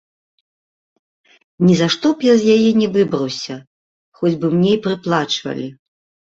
Нізашто б я з яе не выбраўся, хоць бы мне й прыплачвалі.